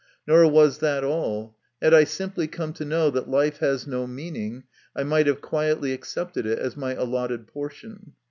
Nor was that all. Had I simply come to know that life has no meaning, I might have quietly accepted it as my allotted portion.